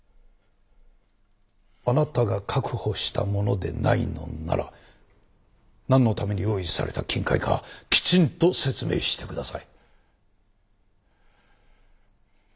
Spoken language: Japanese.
あなたが確保したものでないのならなんのために用意された金塊かきちんと説明してください。